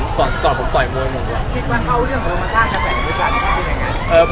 คิดว่าเข้าเรื่องของเรามาสร้างกระแสกันด้วยกัน